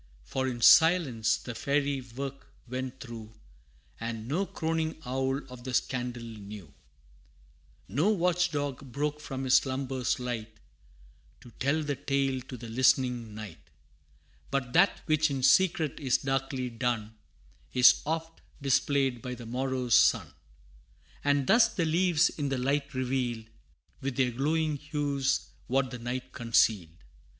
For in silence the fairy work went through And no croning owl of the scandal knew: No watch dog broke from his slumbers light, To tell the tale to the listening night. But that which in secret is darkly done, Is oft displayed by the morrow's sun; And thus the leaves in the light revealed, With their glowing hues what the night concealed.